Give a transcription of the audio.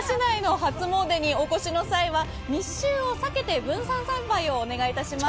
初詣でお越しの際は密集を避けて分散参拝をお願いいたします。